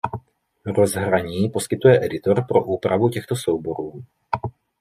Rozhraní poskytuje editor pro úpravu těchto souborů.